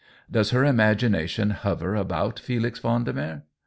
Does her imagi nation hover about Felix Vendemer.?